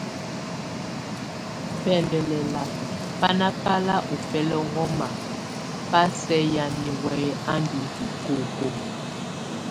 Bɛ́ndɛŋɛlak bá nabal ó beloŋomak bá sɛkéyanɛ wey a ndo hikokó.